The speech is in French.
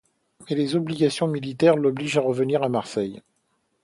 Mais les obligations militaires l'obligent à revenir à Marseille.